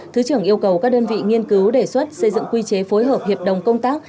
thứ trưởng yêu cầu các đơn vị nghiên cứu đề xuất xây dựng quy chế phối hợp hiệp đồng công tác